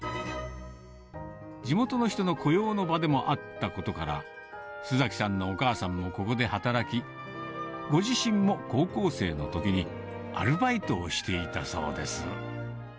地元の人の雇用の場でもあったことから、須崎さんのお母さんもここで働き、ご自身も高校生のときにアルバイトをしていたそうです。